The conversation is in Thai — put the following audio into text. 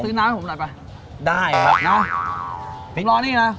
ซื้อน้ำให้ผมหน่อยไปได้ครับนะรอนี่นะ